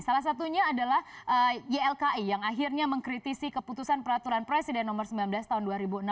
salah satunya adalah ylki yang akhirnya mengkritisi keputusan peraturan presiden nomor sembilan belas tahun dua ribu enam belas